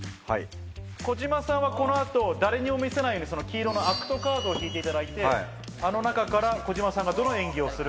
児嶋さんはこの後誰にも見せないように黄色のアクトカードを引いていただいてあの中から児嶋さんがどの演技をするか。